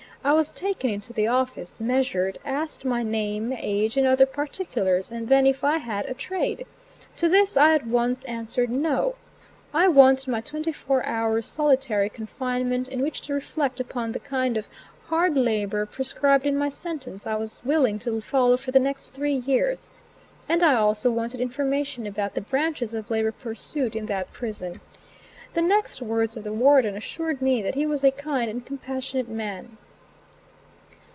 I was taken into the office, measured, asked my name, age, and other particulars, and then if I had a trade. To this I at once answered, "no." I wanted my twenty four hours' solitary confinement in which to reflect upon the kind of "hard labor," prescribed in my sentence, I was willing to follow for the next three years; and I also wanted information about the branches of labor pursued in that prison. The next words of the warden assured me that he was a kind and compassionate man.